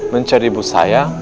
mencari ibu saya